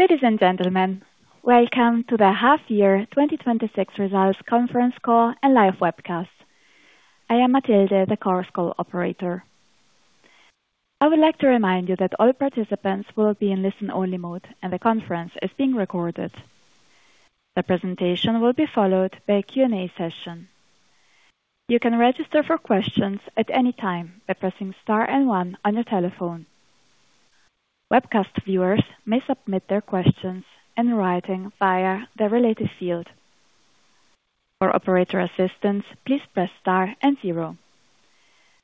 Ladies and gentlemen, welcome to the half year 2026 results conference call and live webcast. I am Matilde, the conference call operator. I would like to remind you that all participants will be in listen-only mode, and the conference is being recorded. The presentation will be followed by a Q&A session. You can register for questions at any time by pressing star one on your telephone. Webcast viewers may submit their questions in writing via the related field. For operator assistance, please press star zero.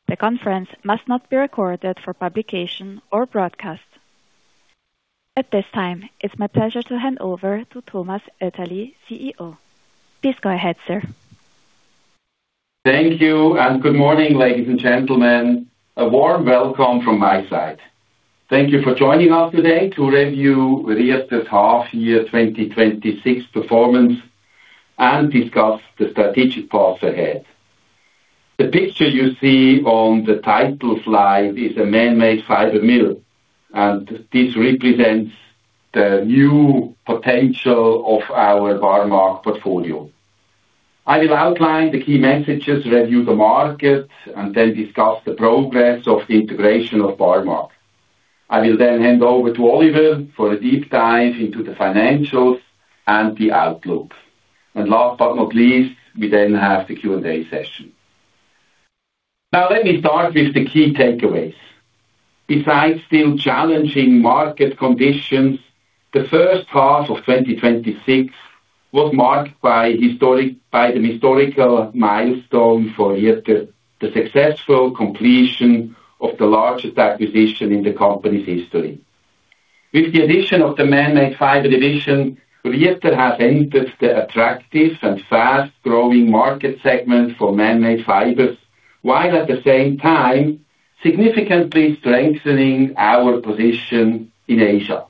The conference must not be recorded for publication or broadcast. At this time, it's my pleasure to hand over to Thomas Oetterli, Chief Executive Officer. Please go ahead, Sir. Good morning, ladies and gentlemen. A warm welcome from my side. Thank you for joining us today to review Rieter's half year 2026 performance and discuss the strategic path ahead. The picture you see on the title slide is a Man-Made Fiber mill, and this represents the new potential of our Barmag portfolio. I will outline the key messages, review the market, and then discuss the progress of the integration of Barmag. I will then hand over to Oliver for a deep dive into the financials and the outlook. Last but not least, we then have the Q&A session. Now let me start with the key takeaways. Besides still challenging market conditions, the first half of 2026 was marked by the historical milestone for Rieter, the successful completion of the largest acquisition in the company's history. With the addition of the Man-Made Fiber Division, Rieter has entered the attractive and fast-growing market segment for Man-Made Fibers, while at the same time significantly strengthening our position in Asia.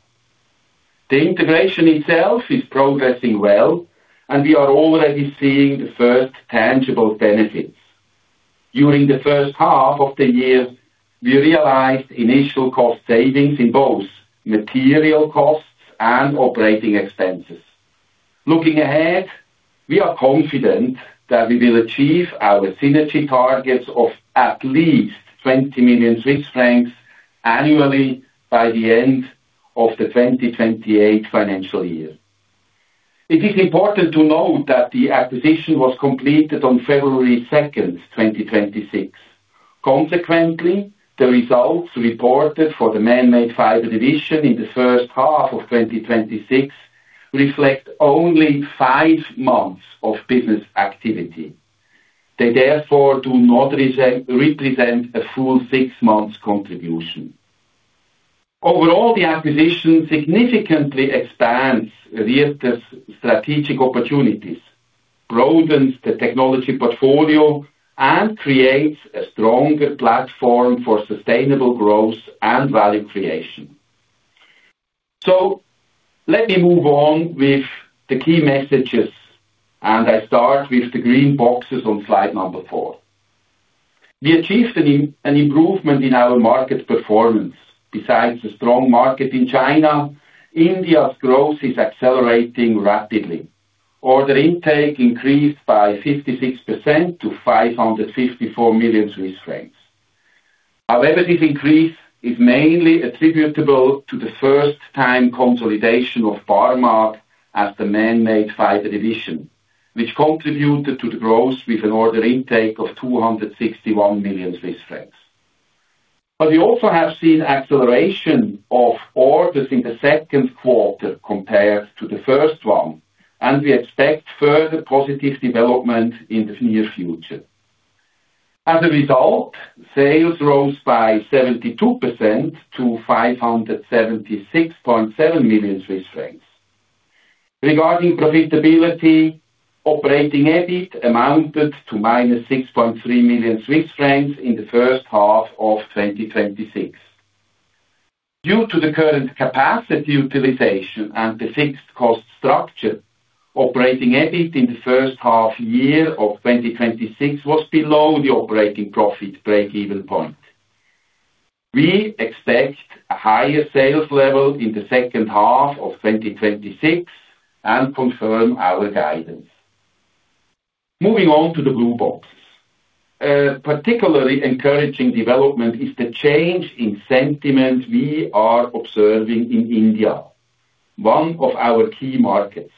The integration itself is progressing well, and we are already seeing the first tangible benefits. During the first half of the year, we realized initial cost savings in both material costs and operating expenses. Looking ahead, we are confident that we will achieve our synergy targets of at least 20 million Swiss francs annually by the end of the 2028 financial year. It is important to note that the acquisition was completed on February 2nd, 2026. Consequently, the results reported for the Man-Made Fiber Division in the first half of 2026 reflect only five months of business activity. They therefore do not represent a full six months contribution. Overall, the acquisition significantly expands Rieter's strategic opportunities, broadens the technology portfolio, and creates a stronger platform for sustainable growth and value creation. Let me move on with the key messages, and I start with the green boxes on slide number four. We achieved an improvement in our market performance. Besides a strong market in China, India's growth is accelerating rapidly. Order intake increased by 56% to 554 million Swiss francs. This increase is mainly attributable to the first-time consolidation of Barmag as the Man-Made Fiber Division, which contributed to the growth with an order intake of 261 million Swiss francs. We also have seen acceleration of orders in the second quarter compared to the first one, and we expect further positive development in the near future. As a result, sales rose by 72% to 576.7 million Swiss francs. Regarding profitability, Operating EBIT amounted to -6.3 million Swiss francs in the first half of 2026. Due to the current capacity utilization and the fixed cost structure, Operating EBIT in the first half year of 2026 was below the operating profit break-even point. We expect a higher sales level in the second half of 2026 and confirm our guidance. Moving on to the blue box. A particularly encouraging development is the change in sentiment we are observing in India, one of our key markets.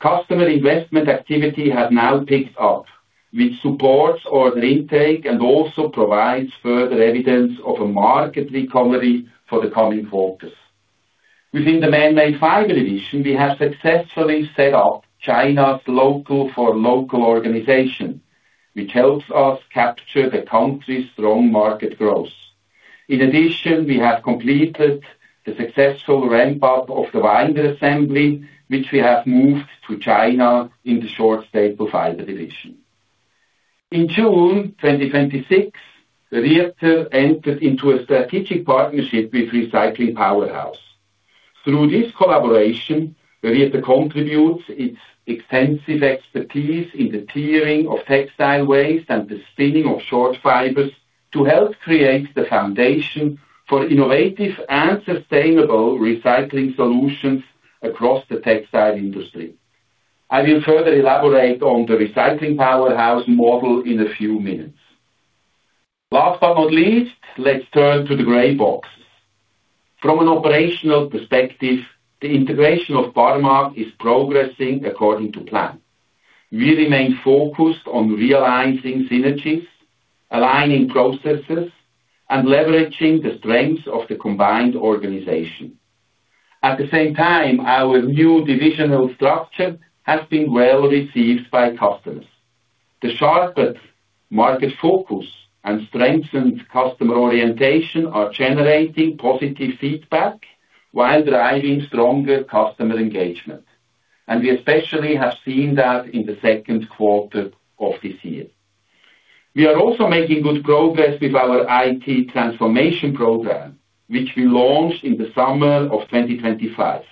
Customer investment activity has now picked up, which supports order intake and also provides further evidence of a market recovery for the coming quarters. Within the Man-Made Fiber Division, we have successfully set up China's local for local organization, which helps us capture the country's strong market growth. We have completed the successful ramp-up of the winder assembly, which we have moved to China in the Short-Staple Fiber Division. In June 2026, Rieter entered into a strategic partnership with Recycling Powerhouse. Through this collaboration, Rieter contributes its extensive expertise in the clearing of textile waste and the spinning of short fibers to help create the foundation for innovative and sustainable recycling solutions across the textile industry. I will further elaborate on the Recycling Powerhouse model in a few minutes. Let's turn to the gray box. From an operational perspective, the integration of Barmag is progressing according to plan. We remain focused on realizing synergies, aligning processes, and leveraging the strengths of the combined organization. At the same time, our new divisional structure has been well received by customers. The sharpened market focus and strengthened customer orientation are generating positive feedback while driving stronger customer engagement. We especially have seen that in the second quarter of this year. We are also making good progress with our IT transformation program, which we launched in the summer of 2025.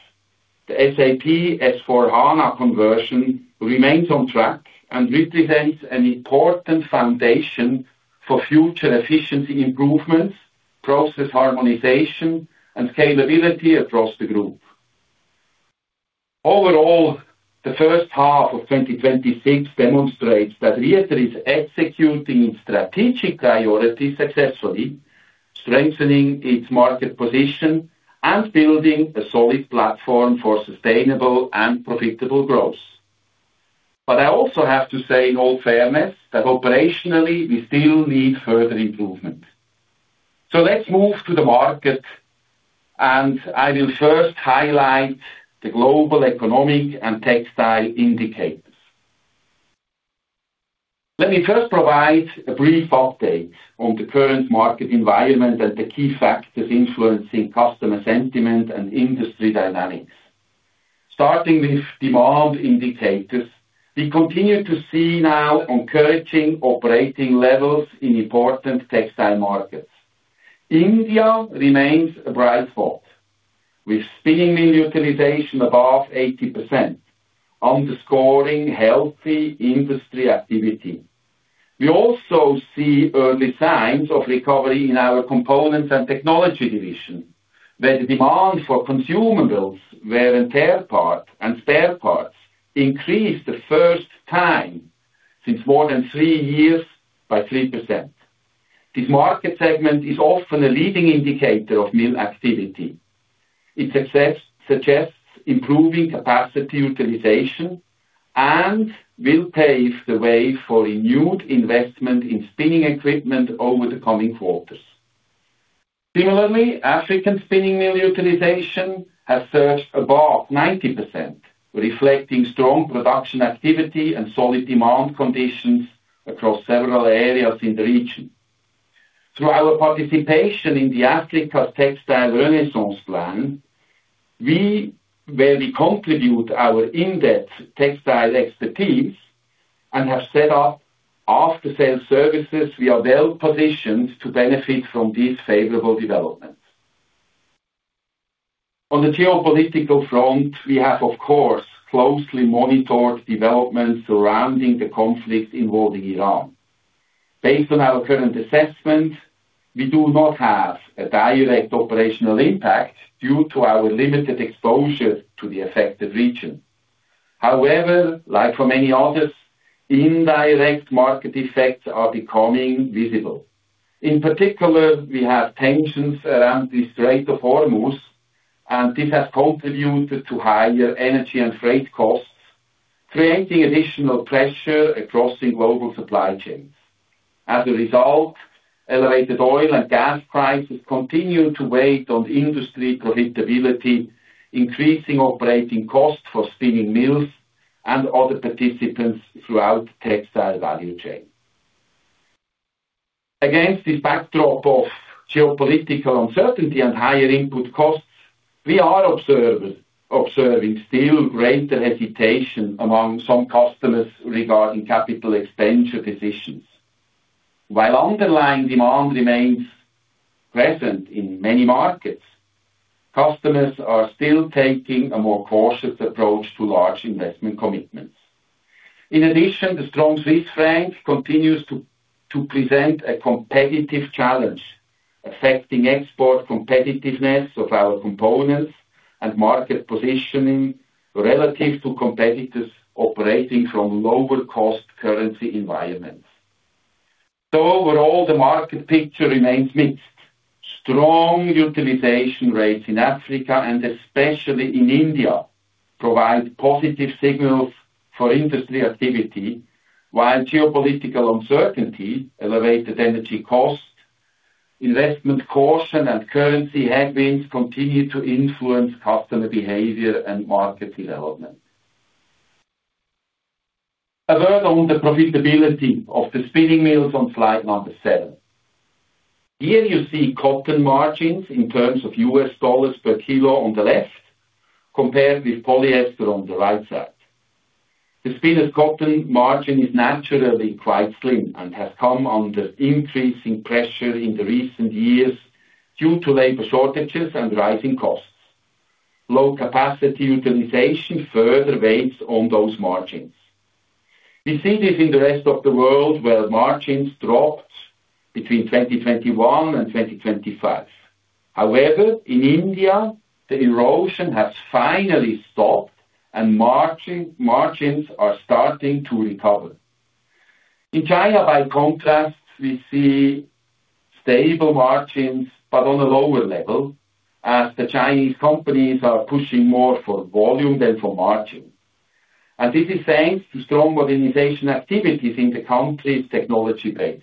The SAP S/4HANA conversion remains on track and represents an important foundation for future efficiency improvements, process harmonization, and scalability across the group. The first half of 2026 demonstrates that Rieter is executing its strategic priorities successfully, strengthening its market position, and building a solid platform for sustainable and profitable growth. I also have to say, in all fairness, that operationally, we still need further improvement. Let's move to the market, and I will first highlight the global economic and textile indicators. Let me first provide a brief update on the current market environment and the key factors influencing customer sentiment and industry dynamics. Starting with demand indicators, we continue to see now encouraging operating levels in important textile markets. India remains a bright spot, with spinning mill utilization above 80%, underscoring healthy industry activity. We also see early signs of recovery in our Components & Technology Division, where the demand for consumables, wear, and tear parts, and spare parts increased the first time since more than three years by 3%. This market segment is often a leading indicator of mill activity. It suggests improving capacity utilization and will pave the way for renewed investment in spinning equipment over the coming quarters. Similarly, African spinning mill utilization has surged above 90%, reflecting strong production activity and solid demand conditions across several areas in the region. Through our participation in the Africa Textile Renaissance Plan, we, where we contribute our in-depth textile expertise and have set up after-sale services, we are well-positioned to benefit from these favorable developments. On the geopolitical front, we have, of course, closely monitored developments surrounding the conflict involving Iran. Based on our current assessment, we do not have a direct operational impact due to our limited exposure to the affected region. However, like for many others, indirect market effects are becoming visible. In particular, we have tensions around the Strait of Hormuz, and this has contributed to higher energy and freight costs, creating additional pressure across the global supply chains. As a result, elevated oil and gas prices continue to weigh on industry profitability, increasing operating costs for spinning mills and other participants throughout the textile value chain. Against this backdrop of geopolitical uncertainty and higher input costs, we are observing still greater hesitation among some customers regarding capital expenditure decisions. While underlying demand remains present in many markets, customers are still taking a more cautious approach to large investment commitments. In addition, the strong Swiss Franc continues to present a competitive challenge, affecting export competitiveness of our components and market positioning relative to competitors operating from lower cost currency environments. Overall, the market picture remains mixed. Strong utilization rates in Africa and especially in India provide positive signals for industry activity. While geopolitical uncertainty, elevated energy costs, investment caution, and currency headwinds continue to influence customer behavior and market development. A word on the profitability of the spinning mills on slide number seven. Here you see cotton margins in terms of US dollars per kilo on the left, compared with polyester on the right side. The spun cotton margin is naturally quite slim and has come under increasing pressure in the recent years due to labor shortages and rising costs. Low capacity utilization further weighs on those margins. We see this in the rest of the world, where margins dropped between 2021 and 2025. However, in India, the erosion has finally stopped and margins are starting to recover. In China, by contrast, we see stable margins, but on a lower level, as the Chinese companies are pushing more for volume than for margin. This is thanks to strong modernization activities in the country's technology base.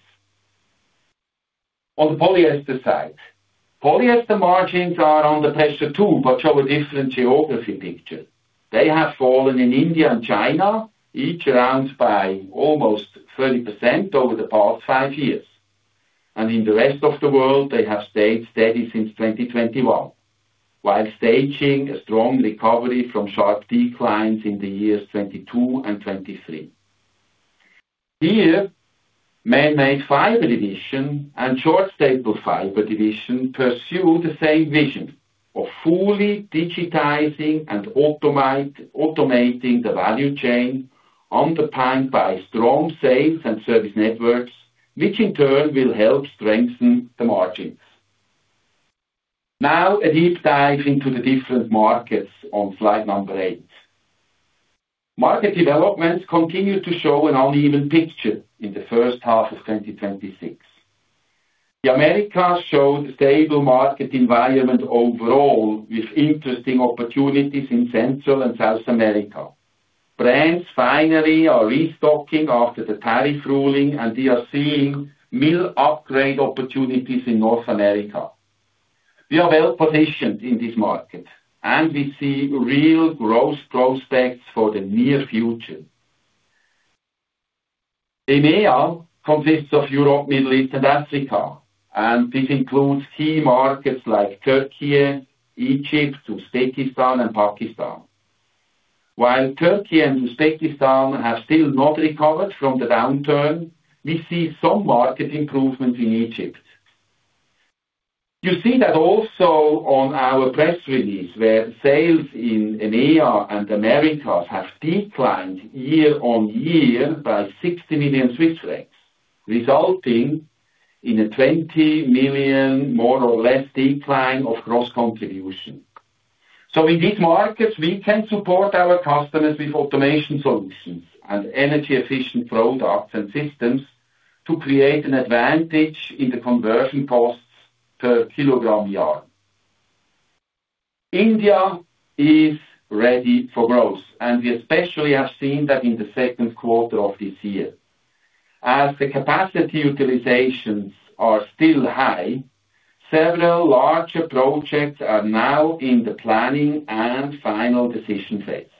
On the polyester side, polyester margins are under pressure too, but show a different geography picture. They have fallen in India and China, each around by almost 30% over the past five years. In the rest of the world, they have stayed steady since 2021, while staging a strong recovery from sharp declines in the years 2022 and 2023. Here, Man-Made Fiber Division and Short-Staple Fiber Division pursue the same vision of fully digitizing and automating the value chain, underpinned by strong sales and service networks, which in turn will help strengthen the margins. A deep dive into the different markets on slide number eight. Market developments continue to show an uneven picture in the first half of 2026. The Americas showed a stable market environment overall, with interesting opportunities in Central and South America. Brands finally are restocking after the tariff ruling, and we are seeing mill upgrade opportunities in North America. We are well-positioned in this market, and we see real growth prospects for the near future. EMEA consists of Europe, Middle East and Africa, and this includes key markets like Turkey, Egypt, Uzbekistan and Pakistan. While Turkey and Uzbekistan have still not recovered from the downturn, we see some market improvement in Egypt. You see that also on our press release, where sales in EMEA and Americas have declined year-over-year by 60 million Swiss francs, resulting in a 20 million, more or less, decline of gross contribution. In these markets, we can support our customers with automation solutions and energy-efficient products and systems to create an advantage in the conversion costs per kilogram yarn. India is ready for growth, and we especially have seen that in the 2Q of this year. As the capacity utilizations are still high, several larger projects are now in the planning and final decision phase.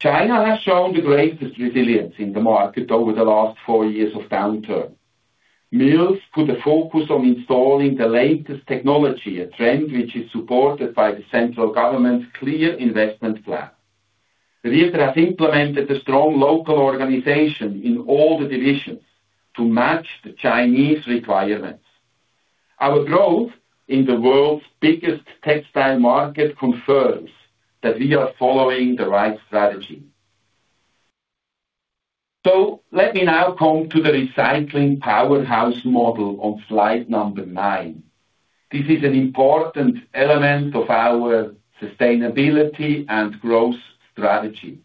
China has shown the greatest resilience in the market over the last four years of downturn. Mills put a focus on installing the latest technology, a trend which is supported by the central government's clear investment plan. Rieter has implemented a strong local organization in all the divisions to match the Chinese requirements. Our growth in the world's biggest textile market confirms that we are following the right strategy. Let me now come to the Recycling Powerhouse model on slide number nine. This is an important element of our sustainability and growth strategy.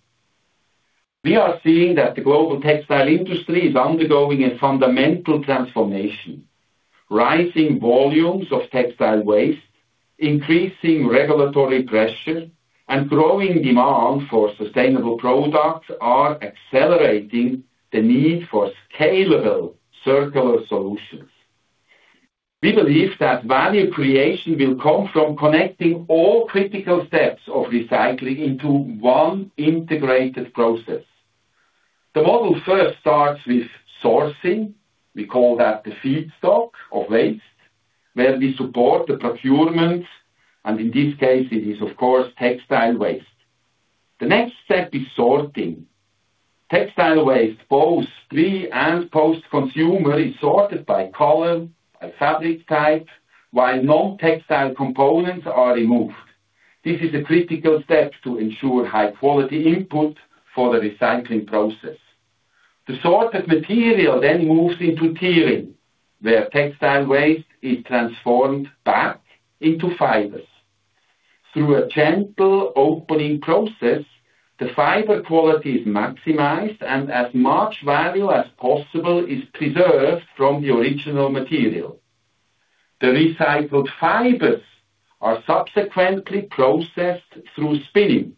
We are seeing that the global textile industry is undergoing a fundamental transformation. Rising volumes of textile waste, increasing regulatory pressure, and growing demand for sustainable products are accelerating the need for scalable, circular solutions. We believe that value creation will come from connecting all critical steps of recycling into one integrated process. The model first starts with sourcing. We call that the feedstock of waste, where we support the procurement, and in this case it is, of course, textile waste. The next step is sorting. Textile waste, both pre- and post-consumer, is sorted by color and fabric type, while non-textile components are removed. This is a critical step to ensure high-quality input for the recycling process. The sorted material then moves into tearing, where textile waste is transformed back into fibers. Through a gentle opening process, the fiber quality is maximized, and as much value as possible is preserved from the original material. The recycled fibers are subsequently processed through spinning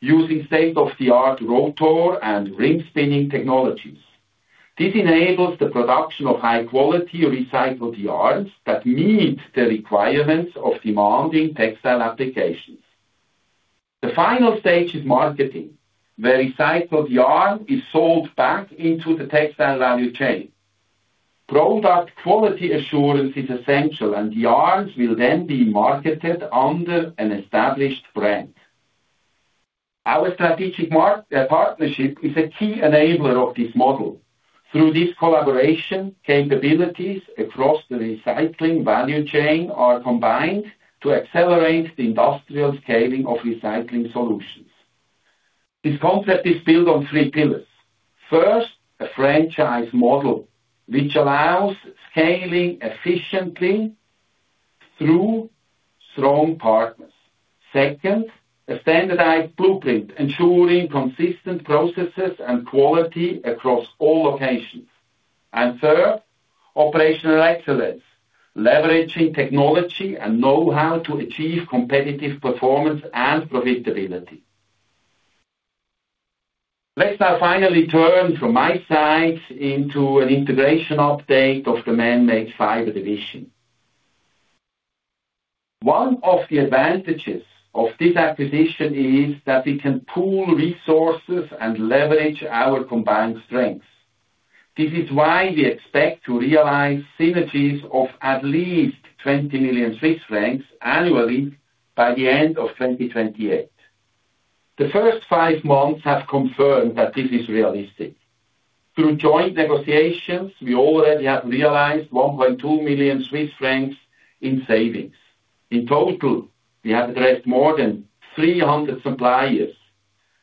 using state-of-the-art rotor and ring spinning technologies. This enables the production of high-quality recycled yarns that meet the requirements of demanding textile applications. The final stage is marketing, where recycled yarn is sold back into the textile value chain. Product quality assurance is essential, and yarns will then be marketed under an established brand. Our strategic partnership is a key enabler of this model. Through this collaboration, capabilities across the recycling value chain are combined to accelerate the industrial scaling of recycling solutions. This concept is built on three pillars. First, a franchise model, which allows scaling efficiently through strong partners. Second, a standardized blueprint ensuring consistent processes and quality across all locations. Third, operational excellence, leveraging technology and knowhow to achieve competitive performance and profitability. Let's now finally turn from my side into an integration update of the Man-Made Fiber Division. One of the advantages of this acquisition is that we can pool resources and leverage our combined strengths. This is why we expect to realize synergies of at least 20 million Swiss francs annually by the end of 2028. The first five months have confirmed that this is realistic. Through joint negotiations, we already have realized 1.2 million Swiss francs in savings. In total, we have addressed more than 300 suppliers.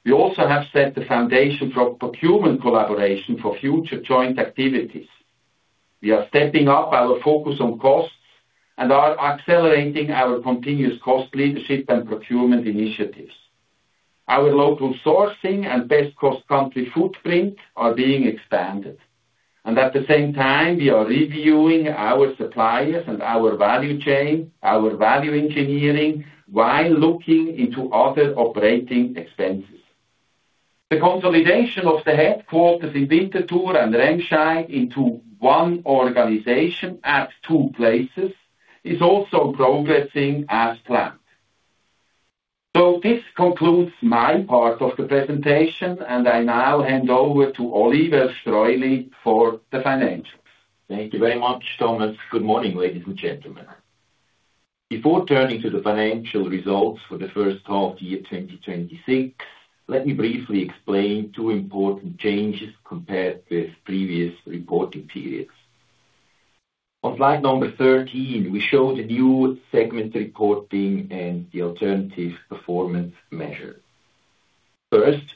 We also have set the foundation for procurement collaboration for future joint activities. We are stepping up our focus on costs and are accelerating our continuous cost leadership and procurement initiatives. Our local sourcing and best-cost country footprint are being expanded. At the same time, we are reviewing our suppliers and our value chain, our value engineering, while looking into other operating expenses. The consolidation of the headquarters in Winterthur and Remscheid into one organization at two places is also progressing as planned. This concludes my part of the presentation, and I now hand over to Oliver Streuli for the financials. Thank you very much, Thomas. Good morning, ladies and gentlemen. Before turning to the financial results for the first half-year 2026, let me briefly explain two important changes compared with previous reporting periods. On slide number 13, we show the new segment reporting and the alternative performance measure. First,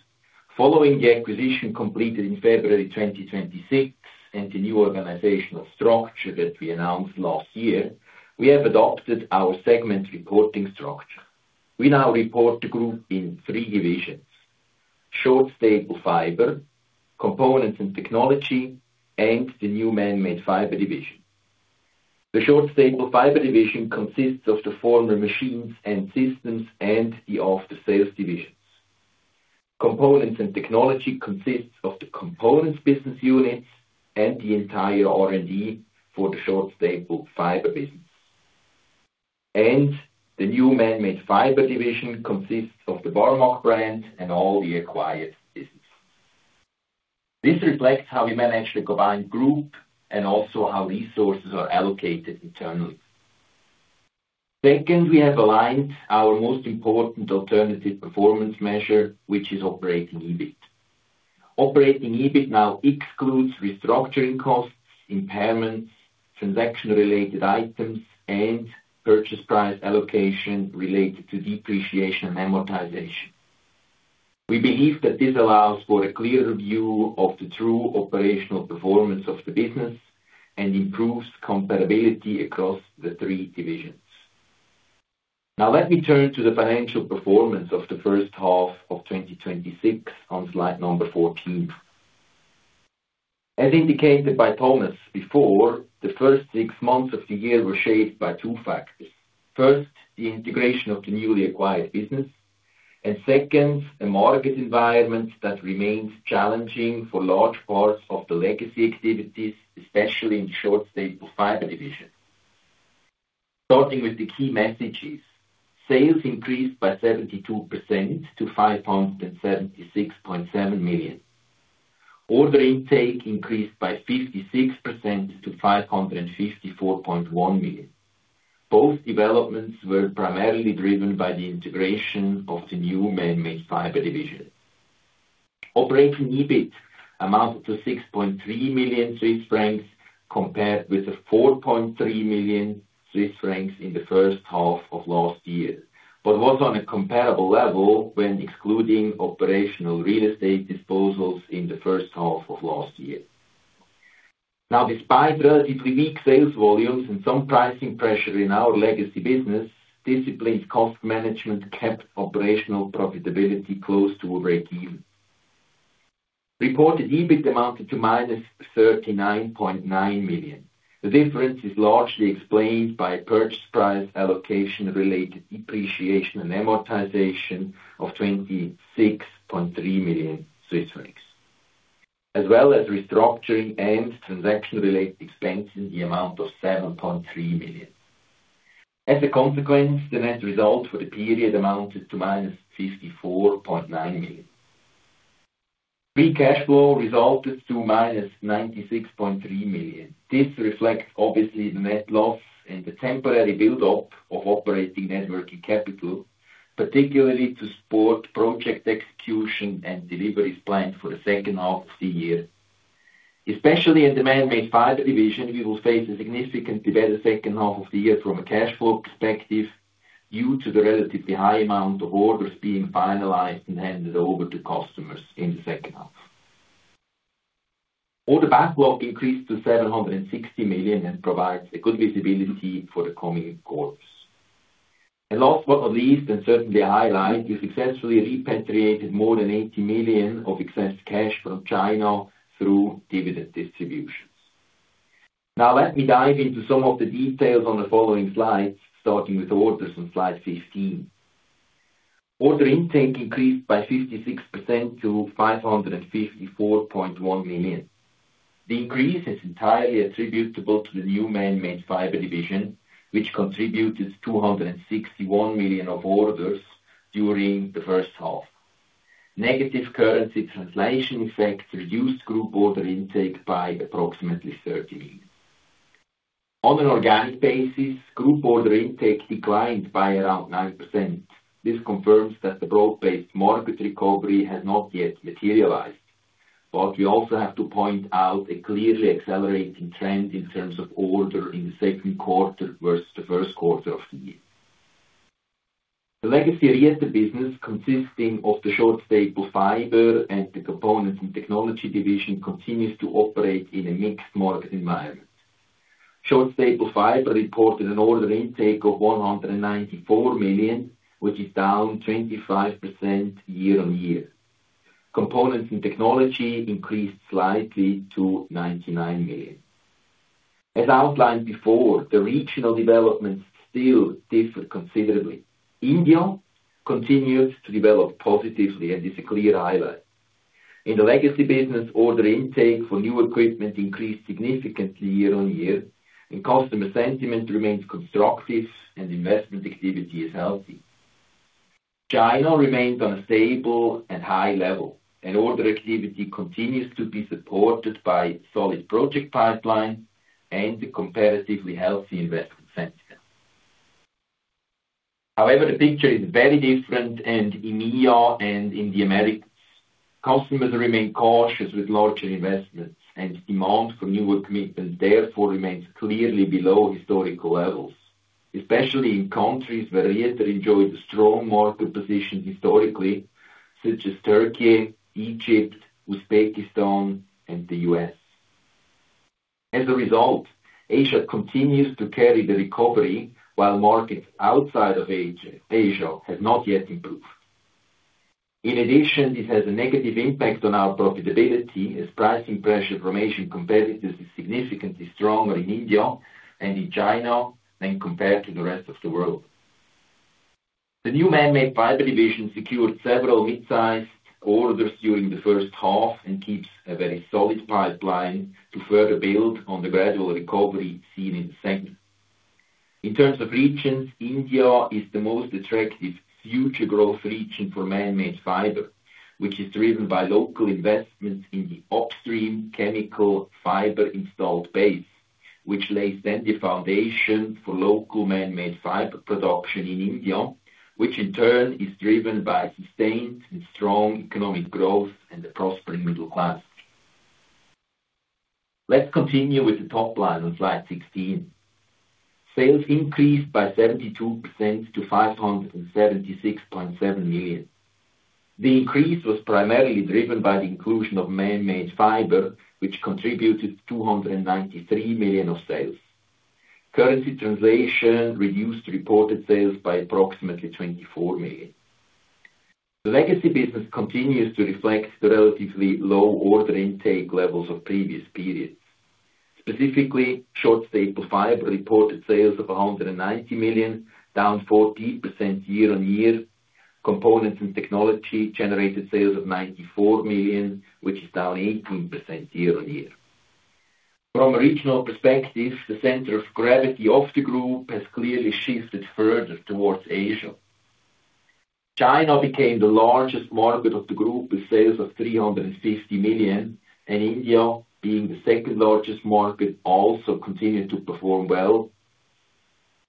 following the acquisition completed in February 2026 and the new organizational structure that we announced last year, we have adopted our segment reporting structure. We now report the group in three divisions: Short-Staple Fiber Division, Components & Technology Division, and the new Man-Made Fiber Division. The Short-Staple Fiber Division consists of the former machines and systems and the after-sales divisions. Components & Technology Division consists of the components business units and the entire R&D for the Short-Staple Fiber business. The new Man-Made Fiber Division consists of the Barmag brand and all the acquired business. This reflects how we manage the combined group and also how resources are allocated internally. Second, we have aligned our most important alternative performance measure, which is Operating EBIT. Operating EBIT now excludes restructuring costs, impairments, transaction-related items, and Purchase Price Allocation related to depreciation and amortization. We believe that this allows for a clearer view of the true operational performance of the business and improves comparability across the three divisions. Let me turn to the financial performance of the first half-year 2026 on slide number 14. As indicated by Thomas before, the first six months of the year were shaped by two factors. First, the integration of the newly acquired business, and second, a market environment that remains challenging for large parts of the legacy activities, especially in Short-Staple Fiber Division. Starting with the key messages, sales increased by 72% to 576.7 million. Order intake increased by 56% to 554.1 million. Both developments were primarily driven by the integration of the new Man-Made Fiber Division. Operating EBIT amounted to 6.3 million Swiss francs compared with 4.3 million Swiss francs in the first half-year last year, but was on a comparable level when excluding operational real estate disposals in the first half-year last year. Despite relatively weak sales volumes and some pricing pressure in our legacy business, disciplined cost management kept operational profitability close to break even. Reported EBIT amounted to -39.9 million. The difference is largely explained by Purchase Price Allocation-related depreciation and amortization of 26.3 million Swiss francs, as well as restructuring and transaction-related expenses in the amount of 7.3 million. As a consequence, the net result for the period amounted to -54.9 million. Free cash flow resulted to -96.3 million. This reflects obviously the net loss and the temporary build-up of operating net working capital, particularly to support project execution and deliveries planned for the second half of the year. Especially in the Man-Made Fiber Division, we will face a significantly better second half of the year from a cash flow perspective due to the relatively high amount of orders being finalized and handed over to customers in the second half. Order backlog increased to 760 million and provides a good visibility for the coming quarters. Last but not least, and certainly a highlight, we successfully repatriated more than 80 million of excess cash from China through dividend distributions. Let me dive into some of the details on the following slides, starting with orders on slide 15. Order intake increased by 56% to 554.1 million. The increase is entirely attributable to the new Man-Made Fiber Division, which contributed 261 million of orders during the first half. Negative currency translation effects reduced group order intake by approximately 30 million. On an organic basis, group order intake declined by around 9%. This confirms that the broad-based market recovery has not yet materialized, but we also have to point out a clearly accelerating trend in terms of order in the second quarter versus the first quarter of the year. The legacy Rieter business, consisting of the Short-Staple Fiber Division and the Components & Technology Division, continues to operate in a mixed market environment. Short-Staple Fiber reported an order intake of 194 million, which is down 25% year-on-year. Components & Technology increased slightly to 99 million. As outlined before, the regional developments still differ considerably. India continues to develop positively and is a clear highlight. In the legacy business, order intake for new equipment increased significantly year-on-year, customer sentiment remains constructive and investment activity is healthy. China remains on a stable and high level, order activity continues to be supported by its solid project pipeline and the comparatively healthy investment sentiment. The picture is very different in EMEA and in the Americas. Customers remain cautious with larger investments, demand for new equipment therefore remains clearly below historical levels, especially in countries where Rieter enjoyed a strong market position historically, such as Turkey, Egypt, Uzbekistan, and the U.S. Asia continues to carry the recovery, while markets outside of Asia have not yet improved. This has a negative impact on our profitability, as pricing pressure from Asian competitors is significantly stronger in India and in China than compared to the rest of the world. The new Man-Made Fiber Division secured several mid-sized orders during the first half and keeps a very solid pipeline to further build on the gradual recovery seen in the second. In terms of regions, India is the most attractive future growth region for Man-Made Fiber, which is driven by local investments in the upstream chemical fiber installed base, which lays the foundation for local Man-Made Fiber production in India, which in turn is driven by sustained and strong economic growth and a prospering middle class. Let's continue with the top line on slide 16. Sales increased by 72% to 576.7 million. The increase was primarily driven by the inclusion of Man-Made Fiber, which contributed 293 million of sales. Currency translation reduced reported sales by approximately 24 million. The legacy business continues to reflect the relatively low order intake levels of previous periods. Specifically, Short-Staple Fiber Division reported sales of 190 million, down 14% year-on-year. Components & Technology Division generated sales of 94 million, which is down 18% year-on-year. From a regional perspective, the center of gravity of the group has clearly shifted further towards Asia. China became the largest market of the group with sales of 350 million, and India, being the second-largest market, also continued to perform well,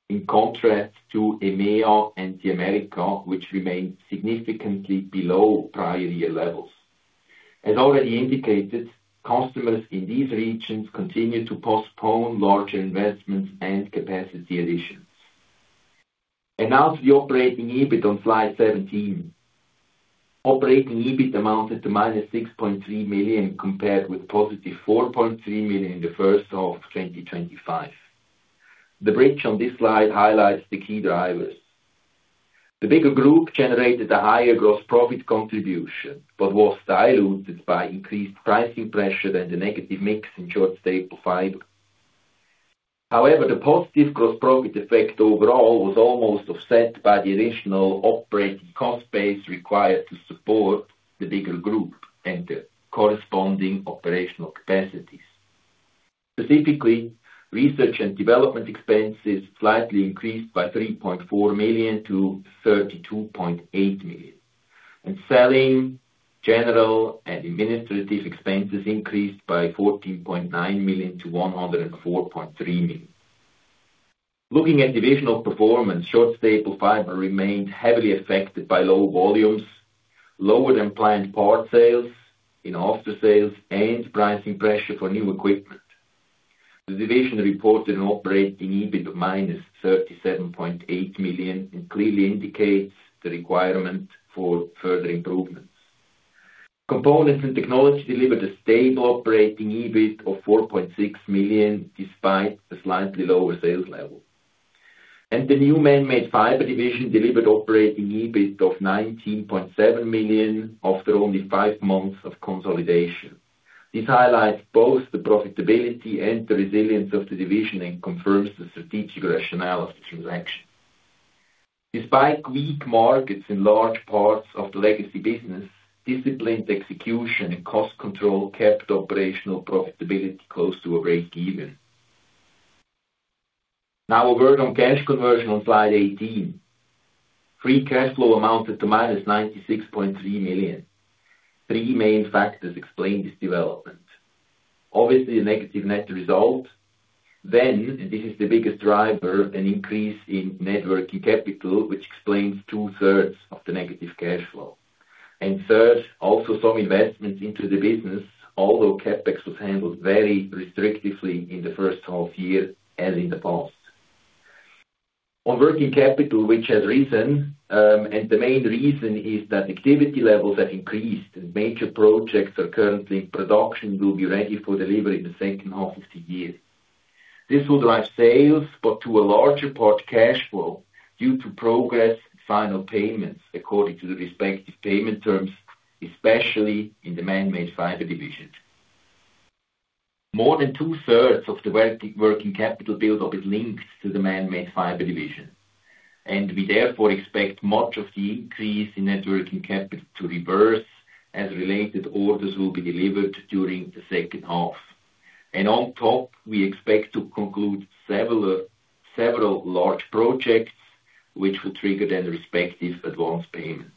in contrast to EMEA and the Americas, which remained significantly below prior-year levels. As already indicated, customers in these regions continue to postpone larger investments and capacity additions. Now to the Operating EBIT on slide 17. Operating EBIT amounted to -6.3 million, compared with positive 4.3 million in the first half of 2025. The bridge on this slide highlights the key drivers. The bigger group generated a higher gross profit contribution, but was diluted by increased pricing pressure than the negative mix in Short-Staple Fiber Division. However, the positive gross profit effect overall was almost offset by the additional operating cost base required to support the bigger group and the corresponding operational capacities. Specifically, research and development expenses slightly increased by 3.4 million-32.8 million. Selling, general and administrative expenses increased by 14.9 million-104.3 million. Looking at divisional performance, Short-Staple Fiber Division remained heavily affected by low volumes, lower than planned part sales in after-sales, and pricing pressure for new equipment. The division reported an Operating EBIT of -37.8 million and clearly indicates the requirement for further improvements. Components & Technology Division delivered a stable Operating EBIT of 4.6 million, despite a slightly lower sales level. The new Man-Made Fiber Division delivered Operating EBIT of 19.7 million after only five months of consolidation. This highlights both the profitability and the resilience of the division and confirms the strategic rationale of the transaction. Despite weak markets in large parts of the legacy business, disciplined execution and cost control kept operational profitability close to a break-even. A word on cash conversion on slide 18. Free cash flow amounted to -96.3 million. Three main factors explain this development. Obviously, a negative net result. This is the biggest driver, an increase in net working capital, which explains 2/3 of the negative cash flow. Third, also some investments into the business, although CapEx was handled very restrictively in the first half year, as in the past. On working capital, which has risen, and the main reason is that activity levels have increased and major projects are currently in production will be ready for delivery in the second half of the year. This will drive sales, but to a larger part, cash flow, due to progress and final payments according to the respective payment terms, especially in the Man-Made Fiber Division. More than two-thirds of the working capital buildup is linked to the Man-Made Fiber Division. We therefore expect much of the increase in net working capital to reverse as related orders will be delivered during the second half. On top, we expect to conclude several large projects which will trigger then respective advance payments.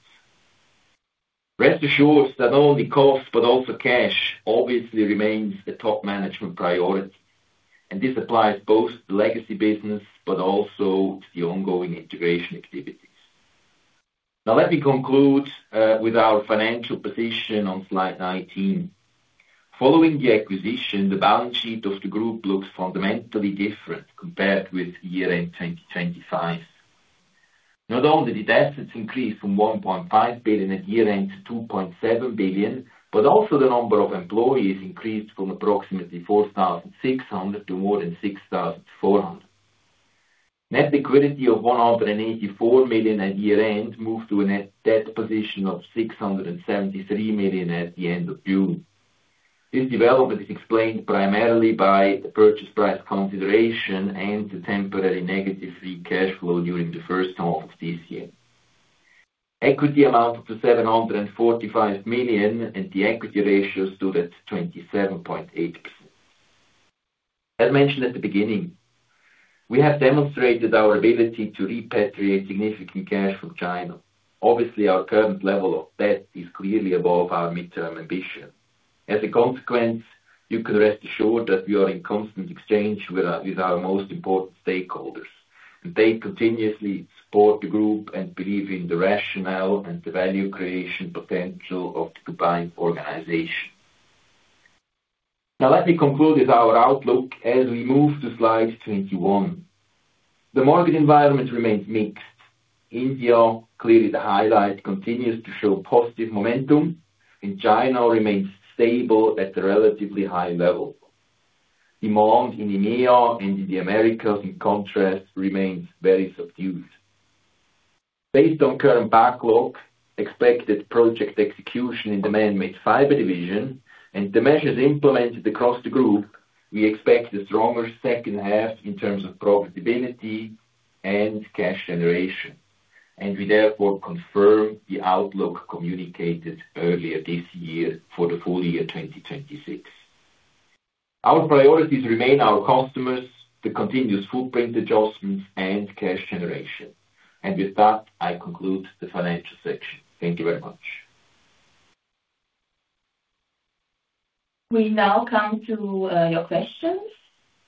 Rest assured that not only costs, but also cash obviously remains a top management priority, and this applies both to the legacy business but also to the ongoing integration activities. Let me conclude with our financial position on slide 19. Following the acquisition, the balance sheet of the group looks fundamentally different compared with year-end 2025. Not only did assets increase from 1.5 billion at year-end to 2.7 billion, but also the number of employees increased from approximately 4,600 to more than 6,400. Net liquidity of 184 million at year-end moved to a net debt position of 673 million at the end of June. This development is explained primarily by the purchase price consideration and the temporary negative free cash flow during the first half of this year. Equity amounted to 745 million, and the equity ratio stood at 27.8%. As mentioned at the beginning, we have demonstrated our ability to repatriate significant cash from China. Our current level of debt is clearly above our midterm ambition. You can rest assured that we are in constant exchange with our most important stakeholders, they continuously support the group and believe in the rationale and the value creation potential of the combined organization. Let me conclude with our outlook as we move to slide 21. The market environment remains mixed. India, clearly the highlight, continues to show positive momentum, China remains stable at a relatively high level. Demand in EMEA and in the Americas, in contrast, remains very subdued. Based on current backlog, expected project execution in the Man-Made Fiber Division and the measures implemented across the group, we expect a stronger second half in terms of profitability and cash generation. We therefore confirm the outlook communicated earlier this year for the full year 2026. Our priorities remain our customers, the continuous footprint adjustments, and cash generation. With that, I conclude the financial section. Thank you very much. We now come to your questions.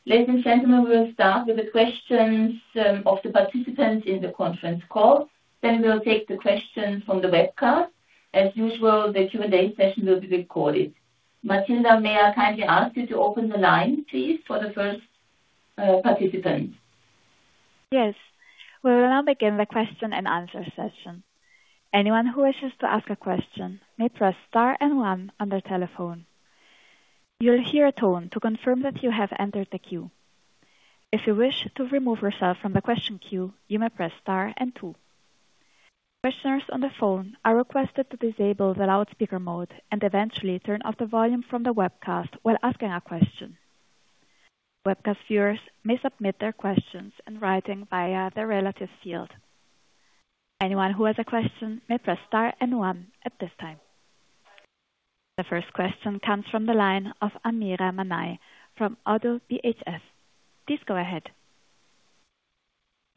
Ladies and gentlemen, we will start with the questions of the participants in the conference call. We will take the questions from the webcast. As usual, the Q&A session will be recorded. Matilde, may I kindly ask you to open the line, please, for the first participant? Yes. We will now begin the question and answer session. Anyone who wishes to ask a question may press star and one on their telephone. You will hear a tone to confirm that you have entered the queue. If you wish to remove yourself from the question queue, you may press star and two. Questioners on the phone are requested to disable the loudspeaker mode and eventually turn off the volume from the webcast while asking a question. Webcast viewers may submit their questions in writing via the relative field. Anyone who has a question may press star and one at this time. The first question comes from the line of Amira Manai from ODDO BHF. Please go ahead.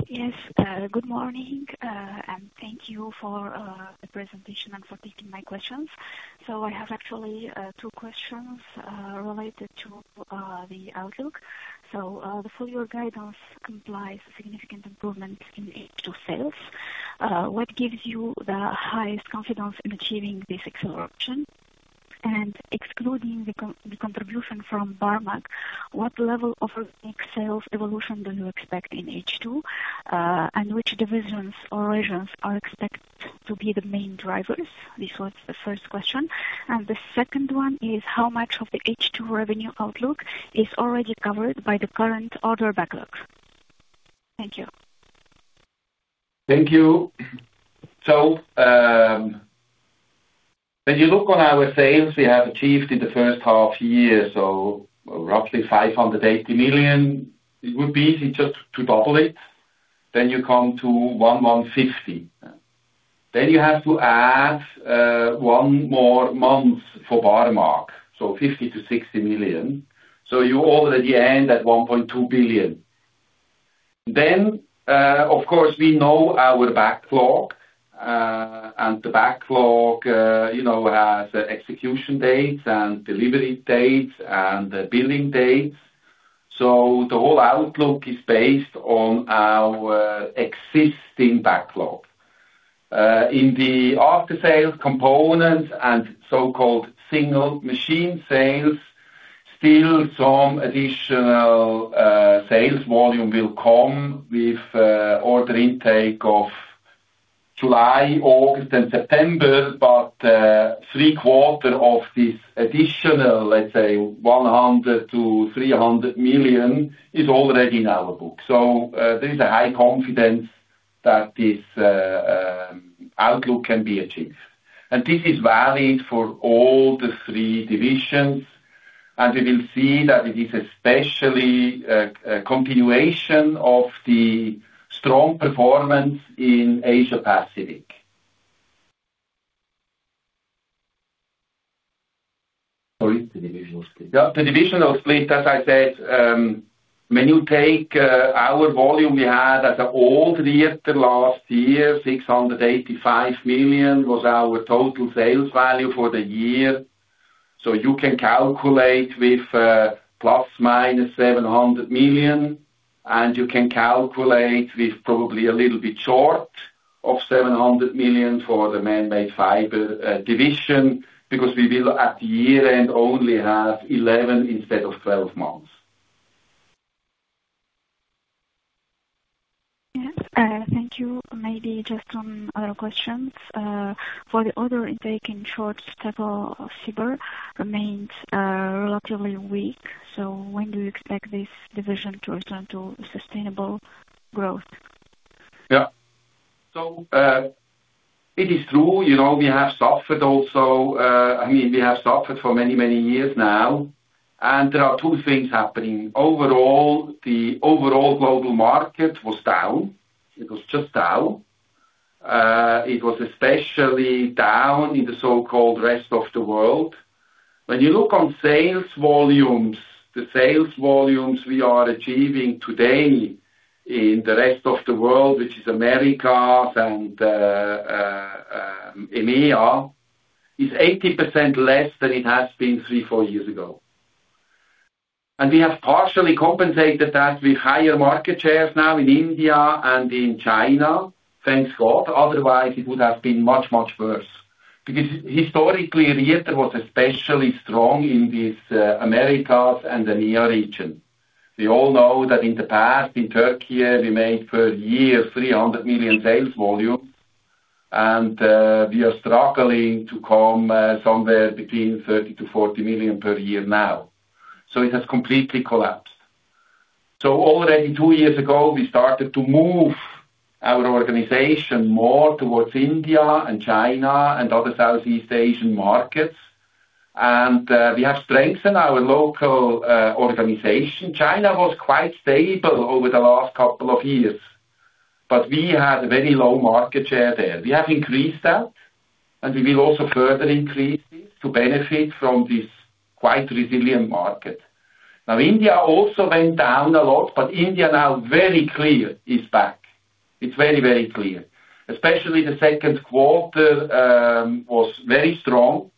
Yes. Good morning, and thank you for the presentation and for taking my questions. I have actually two questions related to the outlook. The full year guidance complies significant improvements in H2 sales. What gives you the highest confidence in achieving this acceleration? Excluding the contribution from Barmag, what level of sales evolution do you expect in H2, and which divisions or regions are expected to be the main drivers? This was the first question. The second one is how much of the H2 revenue outlook is already covered by the current order backlog. Thank you. Thank you. When you look on our sales we have achieved in the first half year, roughly 580 million. It would be easy just to double it. You come to 1,150. You have to add one more month for Barmag. 50 million-60 million. You already end at 1.2 billion. Of course, we know our backlog, and the backlog has execution dates and delivery dates and billing dates. The whole outlook is based on our existing backlog. In the after-sales component and so-called single machine sales, still some additional sales volume will come with order intake of July, August, and September. Three-quarters of this additional, let's say, 100 million-300 million, is already in our book. There is a high confidence that this outlook can be achieved. This is valid for all the three divisions, and we will see that it is especially a continuation of the strong performance in Asia Pacific. Oh, it's the divisional split. Yeah, the divisional split. As I said, when you take our volume we had at the old Rieter last year, 685 million was our total sales value for the year. You can calculate with ±700 million, you can calculate with probably a little bit short of 700 million for the Man-Made Fiber Division, because we will, at year-end, only have 11 months instead of 12 months. Yes. Thank you. Maybe just some other questions. For the order intake, in Short-Staple Fiber remains relatively weak. When do you expect this division to return to sustainable growth? Yeah. It is true. We have suffered also. I mean, we have suffered for many, many years now. There are two things happening. Overall, the overall global market was down. It was just down. It was especially down in the so-called rest of the world. When you look on sales volumes, the sales volumes we are achieving today in the rest of the world, which is Americas and EMEA, is 80% less than it has been three, four years ago. We have partially compensated that with higher market shares now in India and in China. Thank God. Otherwise, it would have been much, much worse. Historically, Rieter was especially strong in these Americas and EMEA region. We all know that in the past, in Turkey, we made per year 300 million sales volume. We are struggling to come somewhere between 30 million-40 million per year now. It has completely collapsed. Already two years ago, we started to move our organization more towards India and China and other Southeast Asian markets. We have strengthened our local organization. China was quite stable over the last couple of years, but we had a very low market share there. We have increased that, and we will also further increase it to benefit from this quite resilient market. India also went down a lot, but India now very clear is back. It is very, very clear. Especially the second quarter was very strong.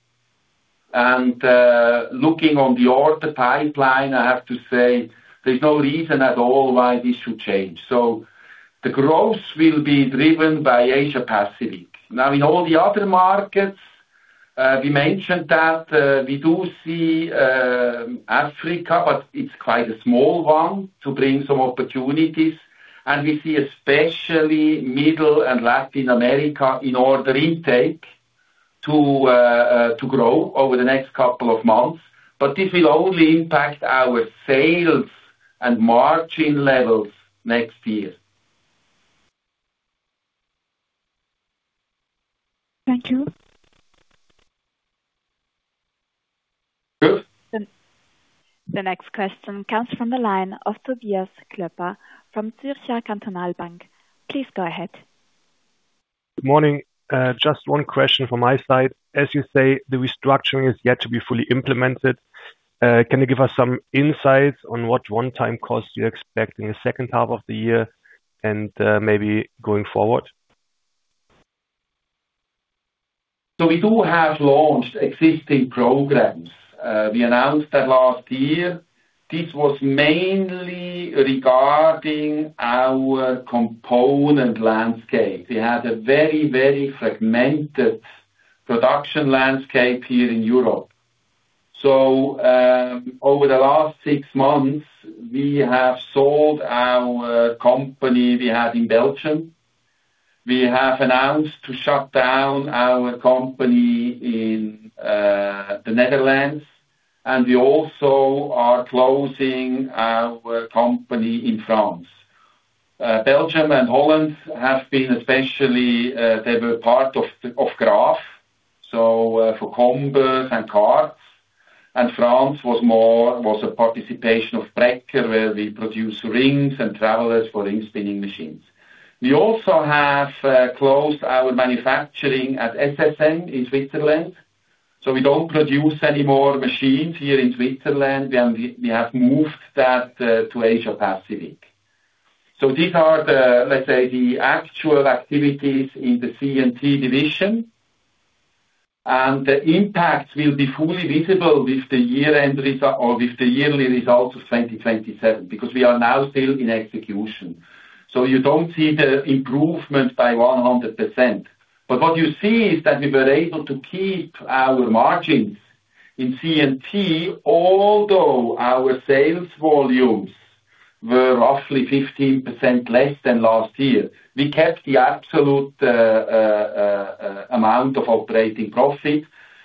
Looking on the order pipeline, I have to say, there is no reason at all why this should change. The growth will be driven by Asia Pacific. In all the other markets, we mentioned that we do see Africa, but it is quite a small one to bring some opportunities. We see especially Middle and Latin America in order intake to grow over the next couple of months. This will only impact our sales and margin levels next year. Thank you. The next question comes from the line of Tobias Klöpper, from Zürcher Kantonalbank. Please go ahead. Good morning. Just one question from my side. As you say, the restructuring is yet to be fully implemented. Can you give us some insights on what one-time costs you expect in the second half of the year and maybe going forward? We do have launched existing programs. We announced that last year. This was mainly regarding our component landscape. We had a very fragmented production landscape here in Europe. Over the last six months, we have sold our company we had in Belgium. We have announced to shut down our company in the Netherlands, and we also are closing our company in France. Belgium and Holland have been. They were part of Graf. For combers and cards. France was a participation of Bräcker, where we produce rings and travelers for ring spinning machines. We also have closed our manufacturing at SSM in Switzerland, so we don't produce any more machines here in Switzerland. We have moved that to Asia-Pacific. These are the, let's say, the actual activities in the CNT division. The impact will be fully visible with the yearly results of 2027, because we are now still in execution. You don't see the improvement by 100%. What you see is that we were able to keep our margins in CNT, although our sales volumes were roughly 15% less than last year. We kept the absolute amount of operating profit,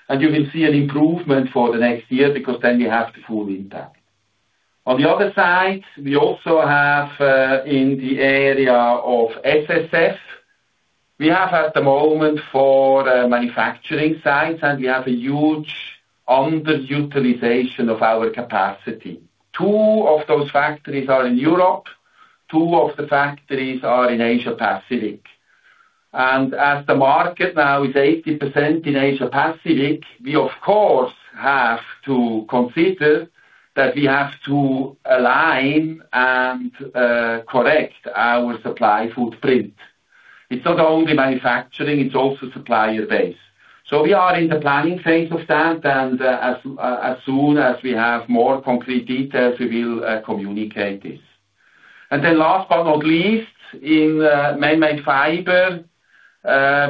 and you will see an improvement for the next year because then we have the full impact. On the other side, we also have, in the area of SSF, we have at the moment four manufacturing sites, and we have a huge underutilization of our capacity. Two of those factories are in Europe, two of the factories are in Asia-Pacific. As the market now is 80% in Asia-Pacific, we of course have to consider that we have to align and correct our supply footprint. It's not only manufacturing, it's also supplier base. We are in the planning phase of that, and as soon as we have more concrete details, we will communicate this. Last but not least, in Man-Made Fiber,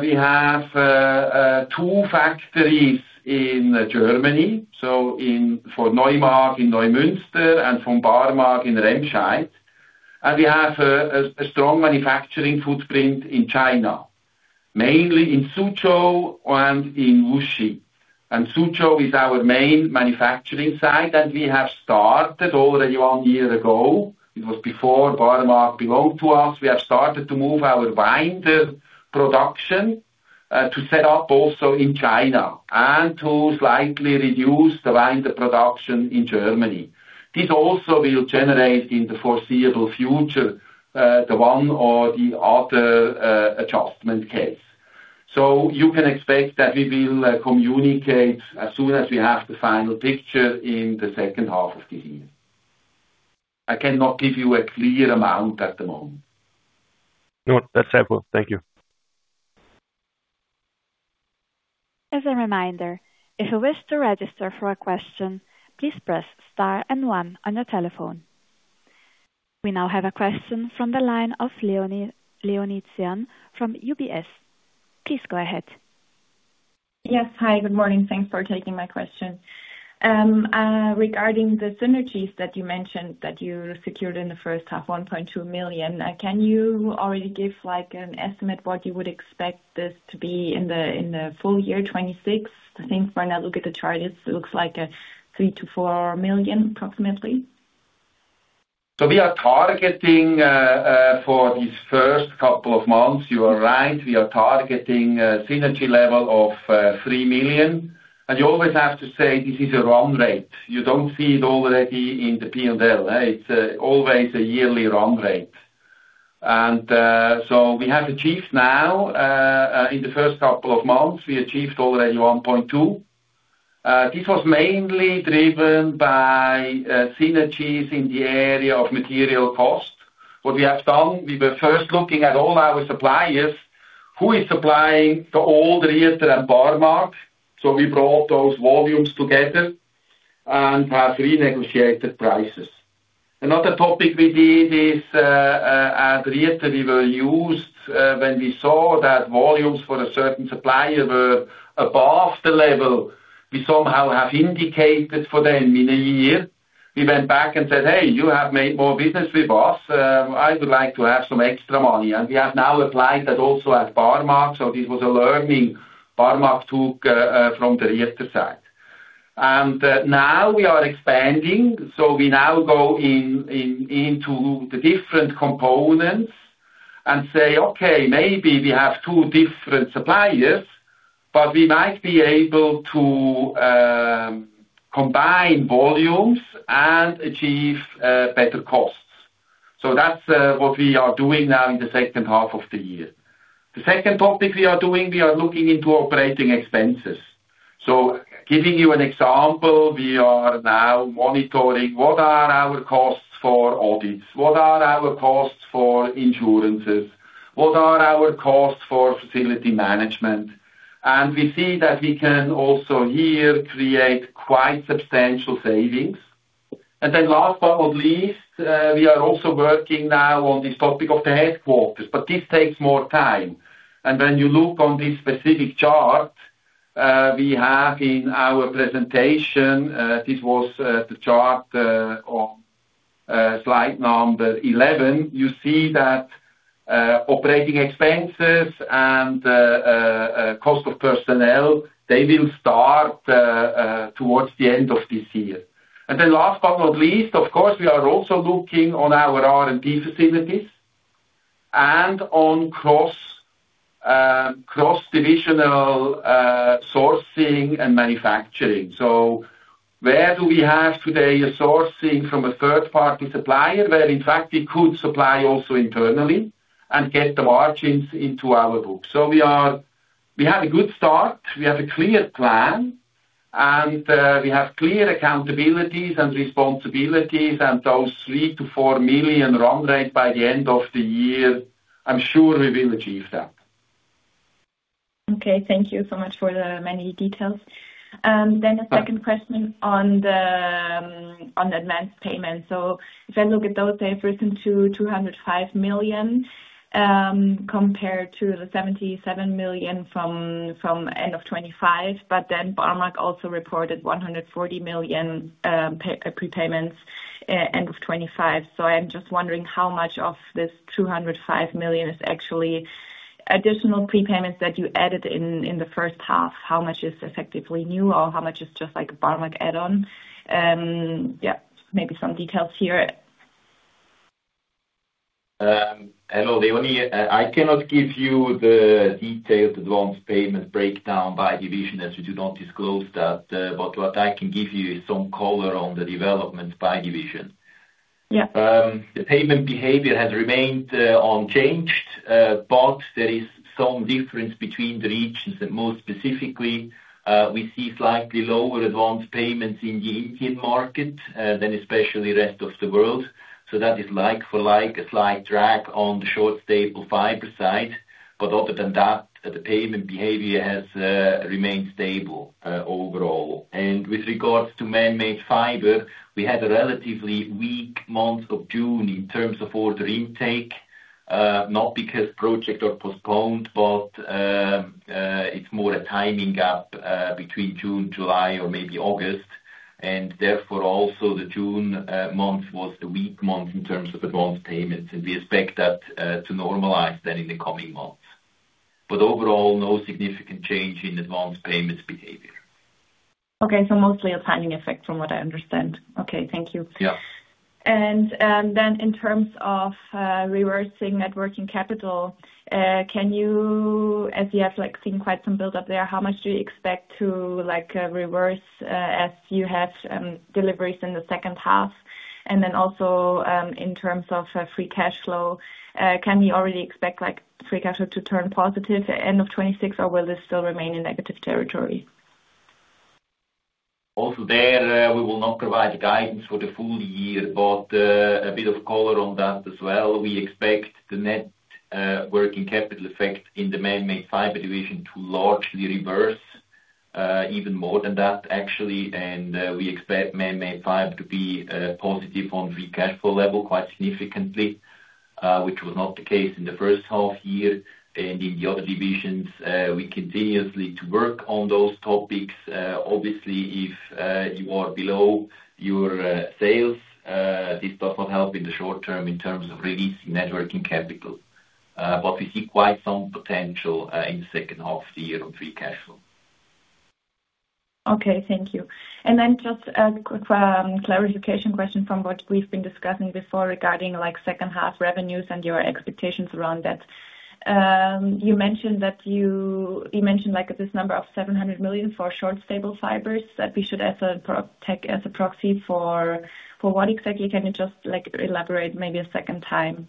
we have two factories in Germany. For Neumag in Neumünster and from Barmag in Remscheid. We have a strong manufacturing footprint in China, mainly in Suzhou and in Wuxi. Suzhou is our main manufacturing site. We have started already one year ago. It was before Barmag belonged to us. We have started to move our winder production to set up also in China and to slightly reduce the winder production in Germany. This also will generate in the foreseeable future, the one or the other adjustment case. You can expect that we will communicate as soon as we have the final picture in the second half of the year. I cannot give you a clear amount at the moment. No, that's helpful. Thank you. As a reminder, if you wish to register for a question, please press star and one on your telephone. We now have a question from the line of Leonie Zirn from UBS. Please go ahead. Yes. Hi, good morning. Thanks for taking my question. Regarding the synergies that you mentioned that you secured in the first half, 1.2 million, can you already give an estimate what you would expect this to be in the full year 2026? I think when I look at the chart, it looks like 3 million-4 million approximately. We are targeting for these first couple of months. You are right, we are targeting a synergy level of 3 million. You always have to say this is a run rate. You don't see it already in the P&L. It's always a yearly run rate. We have achieved now, in the first couple of months, we achieved already 1.2 million. This was mainly driven by synergies in the area of material cost. What we have done, we were first looking at all our suppliers, who is supplying to old Rieter and Barmag. We brought those volumes together and have renegotiated prices. Another topic we did is, at Rieter, we were used, when we saw that volumes for a certain supplier were above the level we somehow have indicated for them in a year, we went back and said, "Hey, you have made more business with us. I would like to have some extra money." We have now applied that also at Barmag. This was a learning Barmag took from the Rieter side. Now we are expanding. We now go into the different components. Say, okay, maybe we have two different suppliers, but we might be able to combine volumes and achieve better costs. That's what we are doing now in the second half of the year. The second topic we are doing, we are looking into operating expenses. Giving you an example, we are now monitoring what are our costs for audits, what are our costs for insurances, what are our costs for facility management? We see that we can also here create quite substantial savings. Last but not least, we are also working now on this topic of the headquarters, but this takes more time. When you look on this specific chart, we have in our presentation, this was the chart on slide number 11. You see that operating expenses and cost of personnel, they will start towards the end of this year. Last but not least, of course, we are also looking on our R&D facilities and on cross-divisional sourcing and manufacturing. Where do we have today a sourcing from a third-party supplier, where in fact we could supply also internally and get the margins into our books. We had a good start, we have a clear plan, we have clear accountabilities and responsibilities and those 3 million-4 million run rate by the end of the year, I'm sure we will achieve that. Thank you so much for the many details. A second question on the advanced payment. If I look at those, they've risen to 205 million, compared to the 77 million from end of 2025. Barmag also reported 140 million prepayments end of 2025. I'm just wondering how much of this 205 million is actually additional prepayments that you added in the first half. How much is effectively new or how much is just like a Barmag add-on? Maybe some details here. Hello. Leonie, I cannot give you the detailed advanced payment breakdown by division, as we do not disclose that. What I can give you is some color on the development by division. Yeah. The payment behavior has remained unchanged, there is some difference between the regions and more specifically, we see slightly lower advanced payments in the Indian market than especially the rest of the world. That is like for like a slight drag on the Short-Staple Fiber side. Other than that, the payment behavior has remained stable overall. With regards to Man-Made Fiber, we had a relatively weak month of June in terms of order intake, not because project are postponed, it's more a timing gap between June, July or maybe August and therefore also the June month was the weak month in terms of advanced payments and we expect that to normalize in the coming months. Overall no significant change in advanced payments behavior. Mostly a timing effect from what I understand. Thank you. Yeah. In terms of reversing net working capital, as you have seen quite some build up there, how much do you expect to reverse as you have deliveries in the second half? Also, in terms of free cash flow, can we already expect free cash flow to turn positive at end of 2026 or will this still remain in negative territory? Also there, we will not provide guidance for the full year, but a bit of color on that as well. We expect the net working capital effect in the Man-Made Fiber Division to largely reverse, even more than that actually, and we expect Man-Made Fiber to be positive on free cash flow level quite significantly, which was not the case in the first half year. In the other divisions, we continuously to work on those topics. Obviously, if you are below your sales, this does not help in the short term in terms of releasing net working capital. We see quite some potential in the second half of the year on free cash flow. Okay. Thank you. Just a quick clarification question from what we've been discussing before regarding second half revenues and your expectations around that. You mentioned this number of 700 million for Short-Staple Fiber Division that we should take as a proxy for what exactly? Can you just elaborate maybe a second time?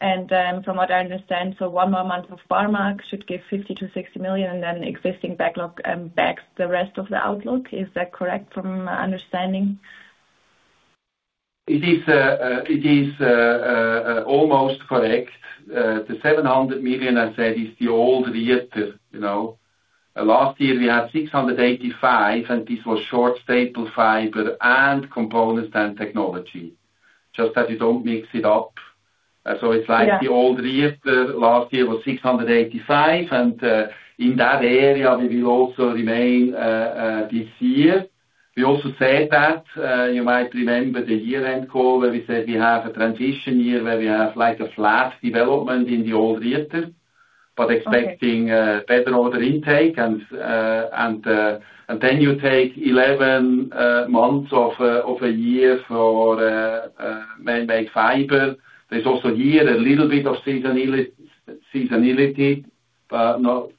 From what I understand, one more month of Barmag should give 50 million-60 million and then existing backlog backs the rest of the outlook. Is that correct from my understanding? It is almost correct. The 700 million I said is the old Rieter. Last year we had 685 million and this was Short-Staple Fiber Division and Components & Technology Division. Just that you don't mix it up. The old Rieter last year was 685 million and in that area we will also remain this year. We also said that, you might remember the year-end call where we said we have a transition year where we have a flat development in the old Rieter. Expecting a better order intake. You take 11 months of a year for Man-Made Fiber. There is also here a little bit of seasonality, but not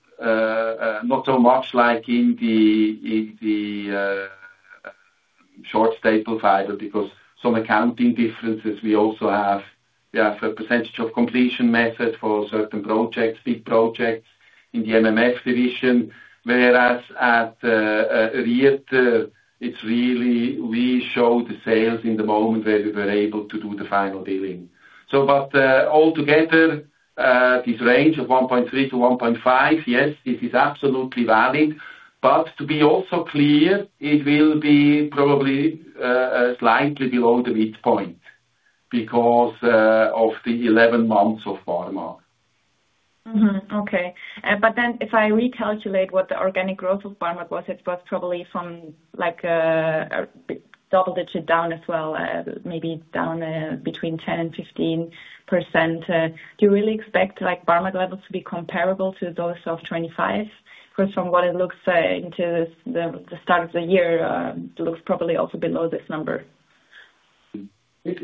so much like in the Short-Staple Fiber, because some accounting differences we also have. We have a percentage of completion method for certain projects, big projects in the MMF Division. At Rieter, we show the sales in the moment where we were able to do the final billing. Altogether, this range of 1.3-1.5, yes, it is absolutely valid. To be also clear, it will be probably slightly below the midpoint, because of the 11 months of Barmag. Okay. If I recalculate what the organic growth of Barmag was, it was probably from a double digit down as well, maybe down between 10%-15%. Do you really expect Barmag levels to be comparable to those of 2025? From what it looks into the start of the year, it looks probably also below this number.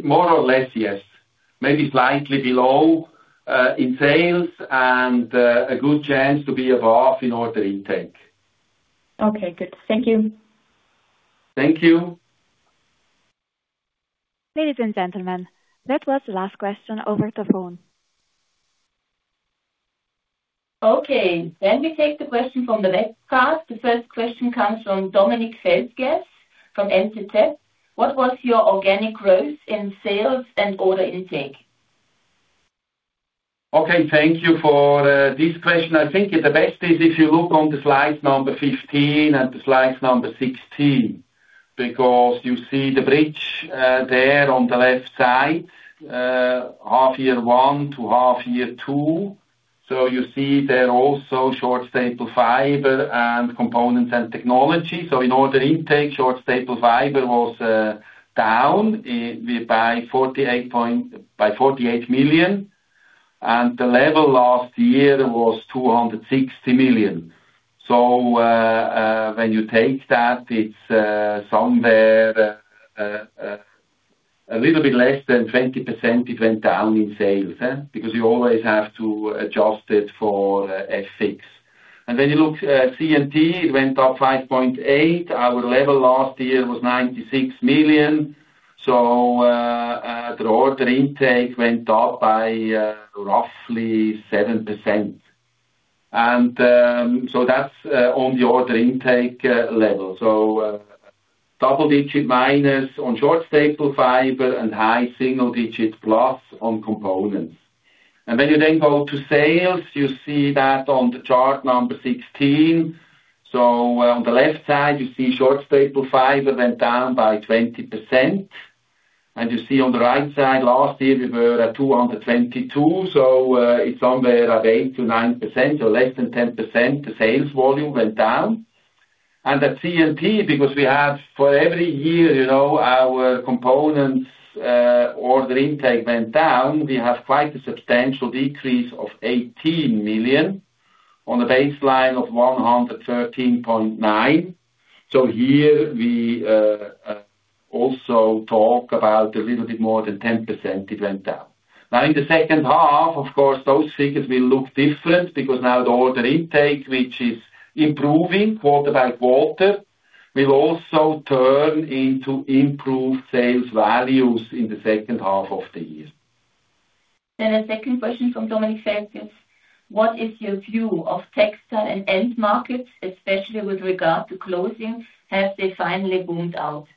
More or less, yes. Maybe slightly below in sales and a good chance to be above in order intake. Okay, good. Thank you. Thank you. Ladies and gentlemen, that was the last question over the phone. Okay, we take the question from the webcast. The first question comes from Dominik Feldges from NZZ. What was your organic growth in sales and order intake? Okay. Thank you for this question. I think the best is if you look on slide number 15 and slide number 16, because you see the bridge there on the left side, half year one to half year two. You see there also Short-Staple Fiber and Components & Technology. In order intake, Short-Staple Fiber was down by 48 million, and the level last year was 260 million. When you take that, it is somewhere a little bit less than 20% it went down in sales. Because you always have to adjust it for FX. When you look at CNT, it went up 5.8 million. Our level last year was 96 million. The order intake went up by roughly 7%. That is on the order intake level. Double-digit minus on Short-Staple Fiber and high single-digit plus on Components & Technology. When you then go to sales, you see that on the chart 16. On the left side, you see Short-Staple Fiber went down by 20%. You see on the right side, last year we were at 222, so it's somewhere at 8%-9%, so less than 10%, the sales volume went down. At CNT, because we have for every year, our components order intake went down. We have quite a substantial decrease of 18 million on a baseline of 113.9. Here we also talk about a little bit more than 10%, it went down. In the second half, of course, those figures will look different because now the order intake, which is improving quarter-by-quarter, will also turn into improved sales values in the second half of the year. A second question from Dominik Feldges. What is your view of textile and end markets, especially with regard to clothing? Have they finally boomed out?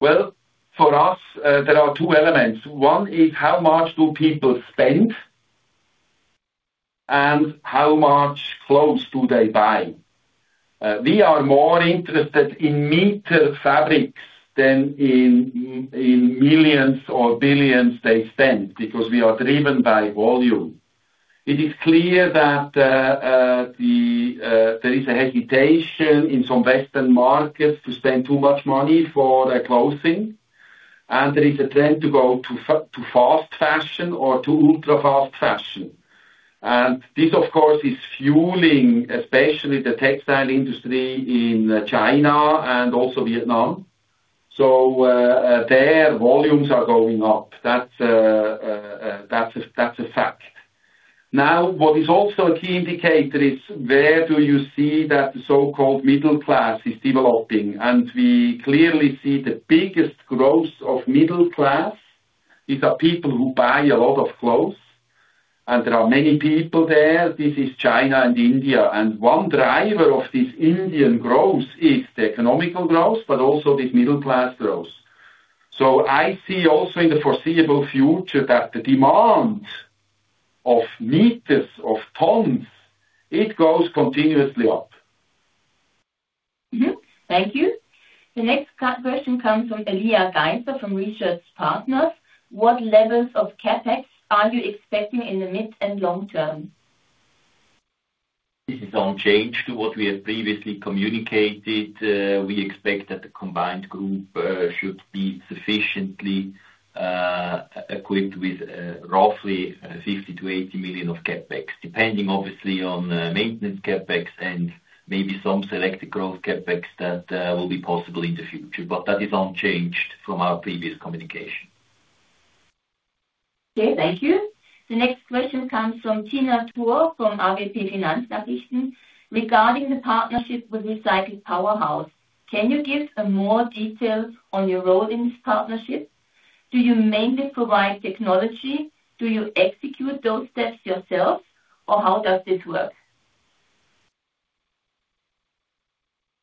For us, there are two elements. One is how much do people spend? How much clothes do they buy? We are more interested in meter fabrics than in millions or billions they spend, because we are driven by volume. It is clear that there is a hesitation in some Western markets to spend too much money for clothing, and there is a trend to go to fast fashion or to ultra-fast fashion. This, of course, is fueling, especially the textile industry in China and also Vietnam. There, volumes are going up. That's a fact. What is also a key indicator is where do you see that the so-called middle class is developing? We clearly see the biggest growth of middle class is a people who buy a lot of clothes, and there are many people there. This is China and India. One driver of this Indian growth is the economic growth, but also this middle class growth. I see also in the foreseeable future that the demand of meters, of tons, it goes continuously up. Thank you. The next question comes from Elia Geiser from Research Partners. What levels of CapEx are you expecting in the mid and long term? This is unchanged to what we have previously communicated. We expect that the combined group should be sufficiently equipped with roughly 50 million-80 million of CapEx, depending obviously on maintenance CapEx and maybe some selected growth CapEx that will be possible in the future. That is unchanged from our previous communication. Okay, thank you. The next question comes from Tina Tuor from AWP Finanznachrichten regarding the partnership with Recycling Powerhouse. Can you give more details on your role in this partnership? Do you mainly provide technology? Do you execute those steps yourself, or how does this work?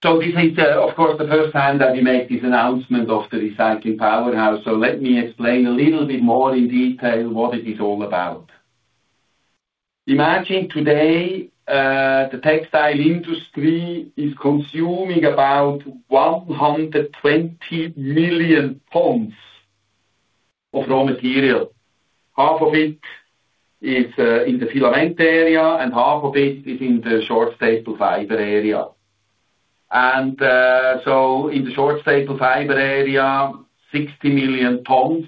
This is, of course, the first time that we make this announcement of the Recycling Powerhouse, let me explain a little bit more in detail what it is all about. Imagine today, the textile industry is consuming about 120 million tons of raw material. Half of it is in the filament area, and half of it is in the short staple fiber area. In the short staple fiber area, 60 million tons,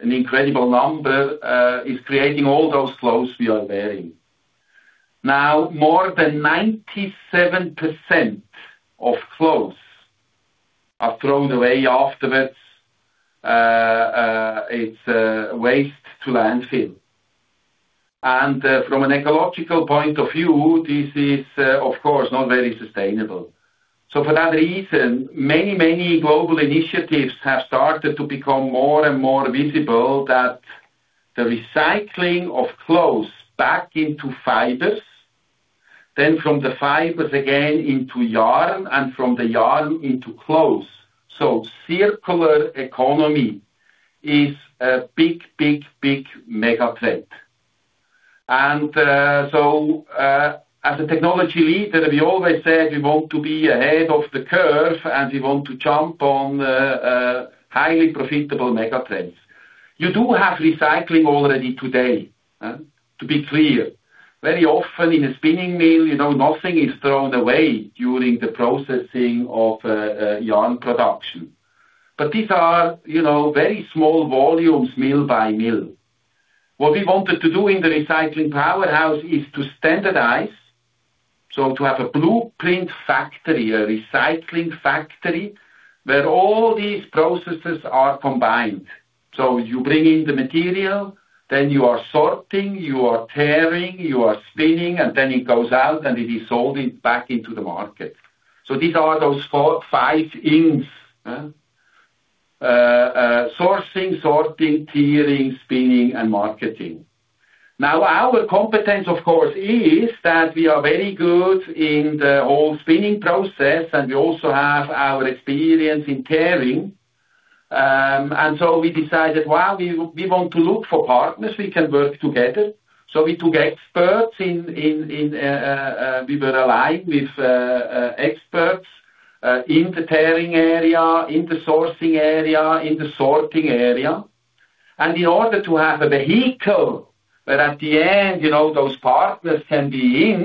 an incredible number, is creating all those clothes we are wearing. Now, more than 97% of clothes are thrown away afterwards. It's waste to landfill. From an ecological point of view, this is, of course, not very sustainable. For that reason, many global initiatives have started to become more and more visible that the recycling of clothes back into fibers, then from the fibers again into yarn, and from the yarn into clothes. Circular economy is a big mega trend. As a technology leader, we always said we want to be ahead of the curve, and we want to jump on highly profitable mega trends. You do have recycling already today, to be clear. Very often in a spinning mill, nothing is thrown away during the processing of yarn production. These are very small volumes, mill by mill. What we wanted to do in the Recycling Powerhouse is to standardize, to have a blueprint factory, a recycling factory, where all these processes are combined. You bring in the material, you are sorting, you are tearing, you are spinning, and it goes out and it is sold back into the market. These are those four, five things: sourcing, sorting, tearing, spinning, and marketing. Now, our competence, of course, is that we are very good in the whole spinning process, and we also have our experience in tearing. We decided, well, we want to look for partners we can work together. We were aligned with experts in the tearing area, in the sourcing area, in the sorting area. In order to have a vehicle where at the end, those partners can be in,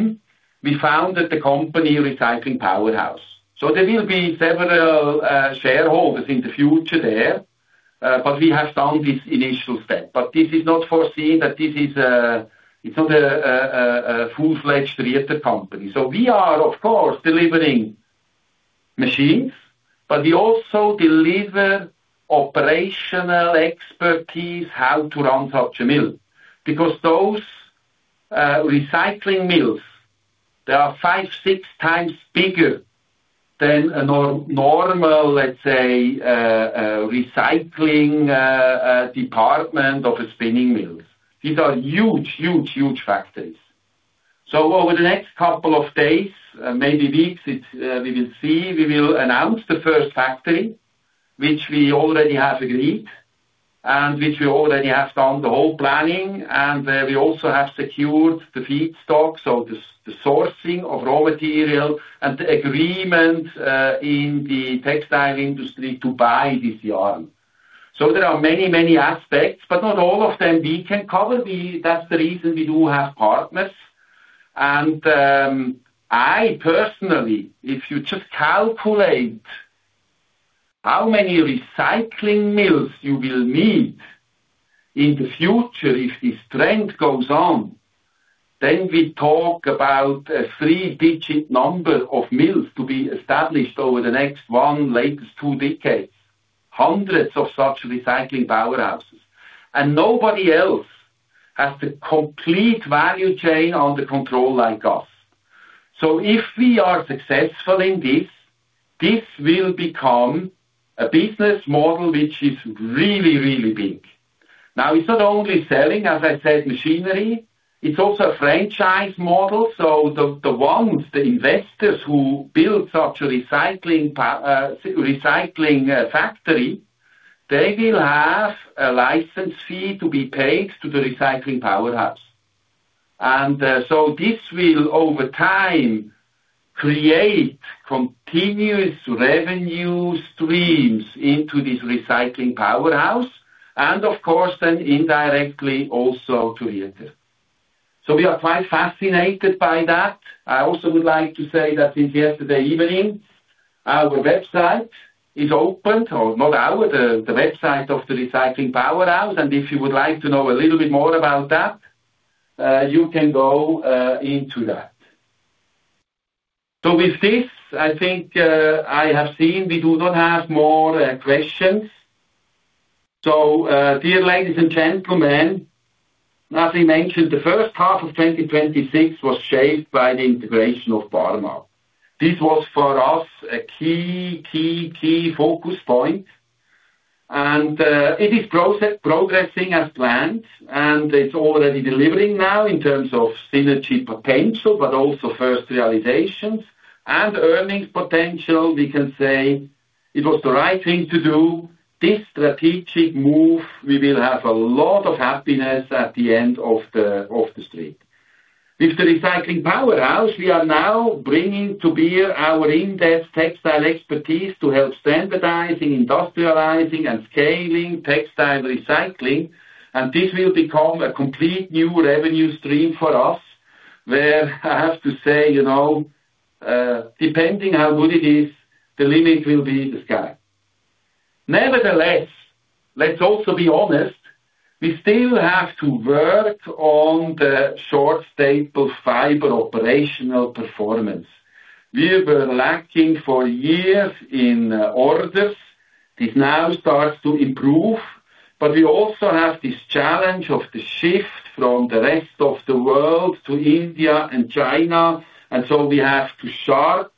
we founded the company, Recycling Powerhouse. There will be several shareholders in the future there, but we have done this initial step. This is not foreseen that this is a full-fledged Rieter company. We are, of course, delivering machines, but we also deliver operational expertise how to run such a mill. Because those recycling mills, they are five, six times bigger than a normal, let's say, recycling department of a spinning mill. These are huge factories. Over the next couple of days, maybe weeks, we will see. We will announce the first factory, which we already have agreed and which we already have done the whole planning, and we also have secured the feedstock, the sourcing of raw material and agreement, in the textile industry to buy this yarn. There are many aspects, but not all of them we can cover. That's the reason we do have partners. I personally, if you just calculate how many recycling mills you will need in the future, if this trend goes on, then we talk about a three-digit number of mills to be established over the next one, latest two decades, hundreds of such Recycling Powerhouses. Nobody else has the complete value chain under control like us. If we are successful in this will become a business model, which is really big. Now, it's not only selling, as I said, machinery, it's also a franchise model. The ones, the investors who build such a recycling factory, they will have a license fee to be paid to the Recycling Powerhouse. This will, over time, create continuous revenue streams into this Recycling Powerhouse, and of course then indirectly also to Rieter. We are quite fascinated by that. I also would like to say that since yesterday evening, our website is opened. Or not our, the website of the Recycling Powerhouse. If you would like to know a little bit more about that, you can go into that. With this, I think, I have seen we do not have more questions. Dear ladies and gentlemen, as we mentioned, the first half of 2026 was shaped by the integration of Barmag. This was for us a key, key focus point. It is progressing as planned, and it's already delivering now in terms of synergy potential, but also first realizations and earnings potential. We can say it was the right thing to do, this strategic move. We will have a lot of happiness at the end of the street. With the Recycling Powerhouse, we are now bringing to bear our in-depth textile expertise to help standardizing, industrializing, and scaling textile recycling. This will become a complete new revenue stream for us, where I have to say, depending how good it is, the limit will be the sky. Nevertheless, let's also be honest, we still have to work on the Short-Staple Fiber operational performance. We were lacking for years in orders. This now starts to improve, but we also have this challenge of the shift from the rest of the world to India and China. We have to sharp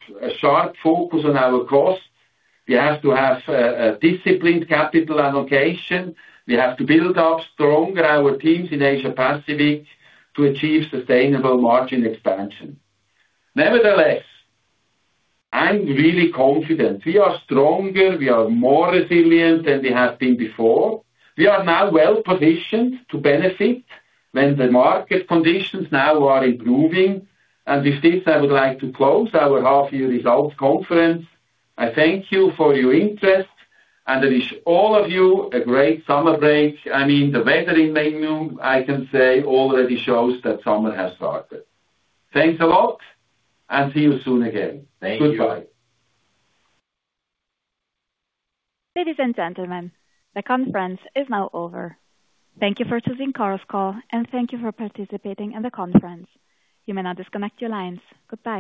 focus on our cost. We have to have a disciplined capital allocation. We have to build up stronger our teams in Asia Pacific to achieve sustainable margin expansion. Nevertheless, I'm really confident. We are stronger, we are more resilient than we have been before. We are now well-positioned to benefit when the market conditions now are improving. With this, I would like to close our half year results conference. I thank you for your interest and I wish all of you a great summer break. I mean, the weather in Mengeringhausen, I can say, already shows that summer has started. Thanks a lot, and see you soon again. Goodbye. Ladies and gentlemen, the conference is now over. Thank you for choosing Chorus Call, and thank you for participating in the conference. You may now disconnect your lines. Goodbye.